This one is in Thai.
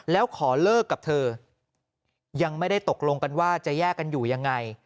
แล้วขอเลิกกับเธอยังไม่ได้ตกลงกันว่าจะแยกกันอยู่ยังไง